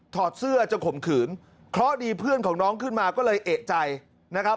อดเสื้อจะข่มขืนเพราะดีเพื่อนของน้องขึ้นมาก็เลยเอกใจนะครับ